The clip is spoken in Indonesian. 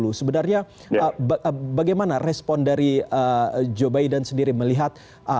sebenarnya bagaimana respon dari joe biden sendiri melihat